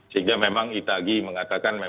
sehingga memang itagi mengatakan